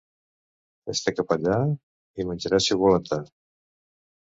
Fes-te capellà i menjaràs xocolata.